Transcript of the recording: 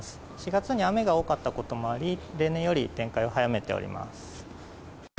４月に雨が多かったこともあり、例年より展開を早めております。